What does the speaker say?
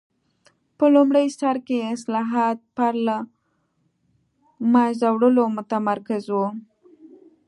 په لومړي سر کې اصلاحات پر له منځه وړلو متمرکز و.